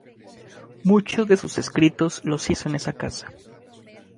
Muchos de sus escritos los hizo en esa casa.